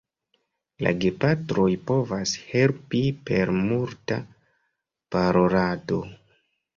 La gepatroj povas helpi per multa parolado.